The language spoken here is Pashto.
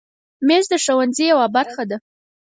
مېز د ښوونځي یوه برخه ده.